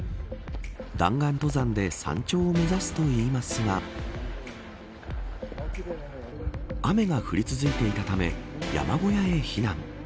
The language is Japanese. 弾丸登山で山頂を目指すといいますが雨が降り続いていたため山小屋へ避難。